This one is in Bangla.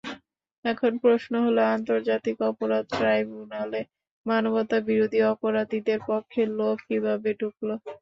এখন প্রশ্ন হলো, আন্তর্জাতিক অপরাধ ট্রাইব্যুনালে মানবতাবিরোধী অপরাধীদের পক্ষের লোক কীভাবে ঢুকল।